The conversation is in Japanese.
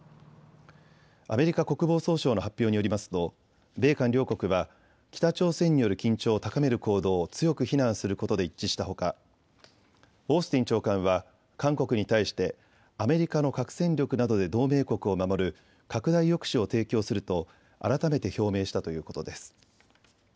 アメリカ国防総省の発表によりますと米韓両国は北朝鮮による緊張を高める行動を強く非難することで一致したほかオースティン長官は韓国に対してアメリカの核戦力などで同盟国を守る拡大抑止を提供すると改めて表明したということです。